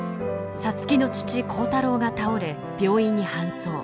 皐月の父耕太郎が倒れ病院に搬送。